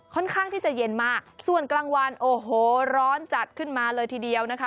ค่อนข้างที่จะเย็นมากส่วนกลางวันโอ้โหร้อนจัดขึ้นมาเลยทีเดียวนะคะ